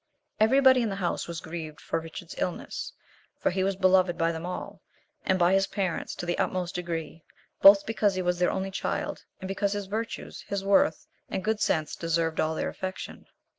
Everybody in the house was grieved for Richard's illness for he was beloved by them all, and by his parents to the utmost degree, both because he was their only child, and because his virtues, his worth, and good sense deserved all their affection.